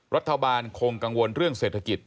รัฐบาลคงกังวลเรื่องเศรษฐกิจ